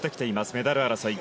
メダル争い。